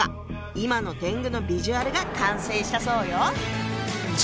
今の天狗のビジュアルが完成したそうよ。